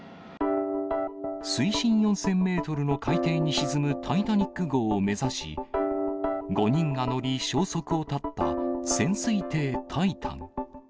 水深４０００メートルの海底に沈むタイタニック号を目指し、５人が乗り、消息を絶った潜水艇タイタン。